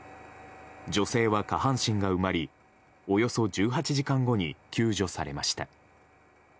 女性は下半身が埋まりおよそ１８時間後に救助されました。